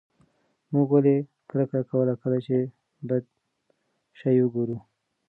موږ ولې کرکه کوو کله چې بد شی وګورو؟